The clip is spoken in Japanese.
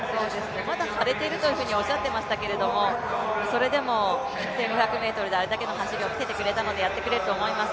まだ腫れているというふうにはおっしゃっていましたが、それでも１５００ｍであれだけの走りを見せてくれたので、やってくれると思います。